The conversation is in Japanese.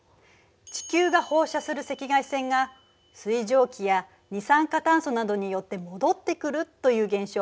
地球が放射する赤外線が水蒸気や二酸化炭素などによって戻ってくるという現象。